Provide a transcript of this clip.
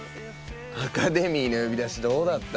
アカデミーの呼び出しどうだった？